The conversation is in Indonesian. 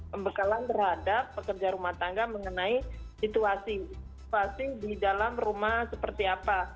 pembekalan terhadap pekerja rumah tangga mengenai situasi di dalam rumah seperti apa